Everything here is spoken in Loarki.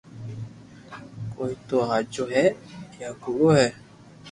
ڪي تو ھاچو ھي يا ڪوڙو ھي